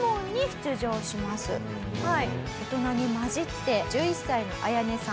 大人に交じって１１歳のアヤネさん